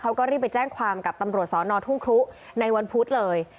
เขาก็รีบไปแจ้งความกับตำรวจสอนอทุ่งครุในวันพุธเลย